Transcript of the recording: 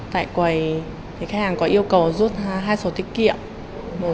tại quầy khách hàng có yêu cầu rút hai sổ tiết kiệm